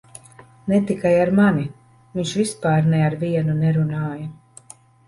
Ne tikai ar mani - viņš vispār ne ar vienu nerunāja.